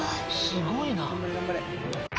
すごいな。